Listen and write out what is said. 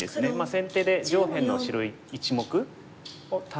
先手で上辺の白１目を助けた。